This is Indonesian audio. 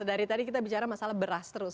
dari tadi kita bicara masalah beras terus